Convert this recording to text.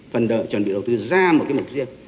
phần đợi chuẩn bị đầu tư ra một cái mục riêng